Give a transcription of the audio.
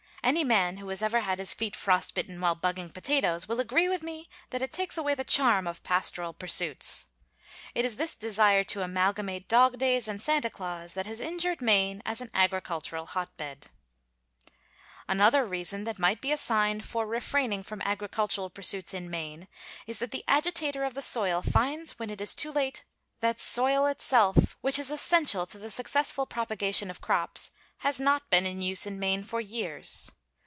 Any man who has ever had his feet frost bitten while bugging potatoes, will agree with me that it takes away the charm of pastoral pursuits. It is this desire to amalgamate dog days and Santa Claus, that has injured Maine as an agricultural hot bed. [Illustration: A DAY DREAM.] Another reason that might be assigned for refraining from agricultural pursuits in Maine, is that the agitator of the soil finds when it is too late that soil itself, which is essential to the successful propagation of crops, has not been in use in Maine for years.